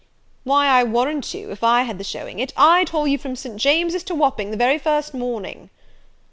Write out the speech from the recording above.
"Why, I warrant you, if I had the showing it, I'd haul you from St. James's to Wapping the very first morning."